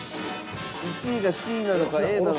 １位がＣなのかＡなのか。